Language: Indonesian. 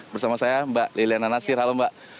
bersama saya mbak liliana natsir halo mbak